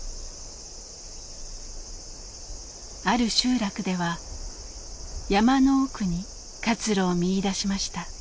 ある集落では山の奥に活路を見いだしました。